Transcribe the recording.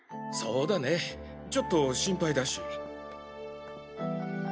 そうだねちょっと心配だし。